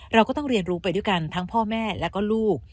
เราก็ต้องเรียนรู้ไปด้วยกันทั้งพ่อแม่แล้วก็ลูก